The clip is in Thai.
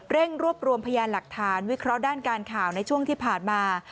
รวบรวมพยานหลักฐานวิเคราะห์ด้านการข่าวในช่วงที่ผ่านมา